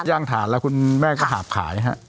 ย่างถ่านแล้วคุณแม่ก็หาบขายฮะ